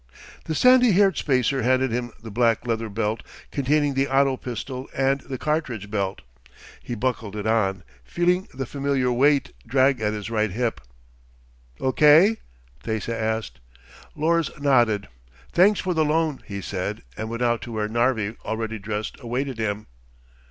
The sandy haired spacer handed him the black leather belt containing the auto pistol and the cartridge belt. He buckled it on, feeling the familiar weight drag at his right hip. "Okay?" Thesa asked. Lors nodded. "Thanks for the loan," he said and went out to where Narvi, already dressed, awaited him.